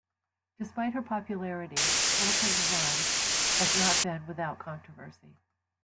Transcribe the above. Despite her popularity, Fulton's run has not been without controversy.